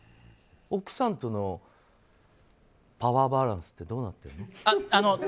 奥さんとのパワーバランスってどうなってるの？